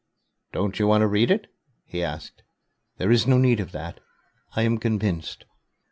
"Don't you want to read it?" he asked. "There is no need of that. I am convinced."